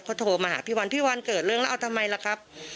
เขาโทรมาหาพี่วันพี่วันเกิดเรื่องแล้วเอาทำไมล่ะครับ